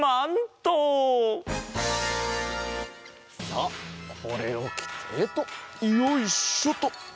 さあこれをきてとよいしょと。